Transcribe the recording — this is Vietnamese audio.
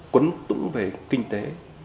quấn tủng về kinh tế